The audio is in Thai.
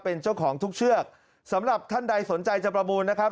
เป็นเจ้าของทุกเชือกสำหรับท่านใดสนใจจะประมูลนะครับ